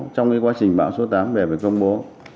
trong quá trình bão số tám này về phải công bố